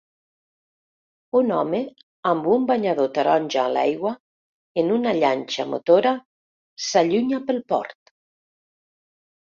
Un home amb un banyador taronja a l'aigua en una llanxa motora s'allunya del port.